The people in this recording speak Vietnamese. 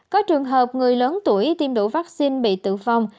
có trường hợp người lớn tuổi tiêm đủ vaccine bị tử vong